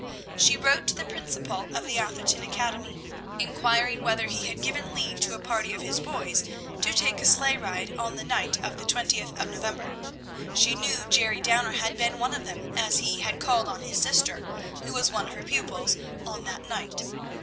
She wrote to the principal of the Atherton Academy, inquiring whether he had given leave to a party of his boys to take a sleigh ride on the night of the twentieth of November. She knew Jerry Downer had been one of them, as he had called on his sister, who was one of her pupils, on that night.